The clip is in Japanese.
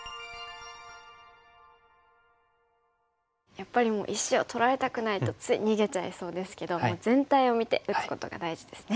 やっぱりもう石を取られたくないとつい逃げちゃいそうですけどもう全体を見て打つことが大事ですね。